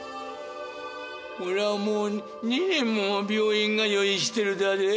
俺はもう２年も病院通いしてるだで。